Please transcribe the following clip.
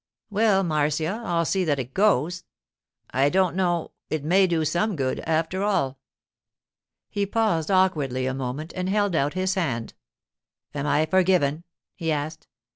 'Well, Marcia, I'll see that it goes. I don't know—it may do some good, after all.' He paused awkwardly a moment and held out his hand. 'Am I forgiven?' he asked.